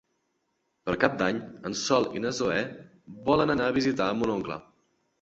Per Cap d'Any en Sol i na Zoè volen anar a visitar mon oncle.